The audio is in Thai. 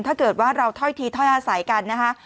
ถ้าเกิดว่าเราถ้อยทีถ้อยอาศัยกันนะคะ